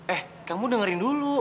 eh kamu dengerin dulu